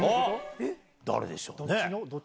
誰でしょうね。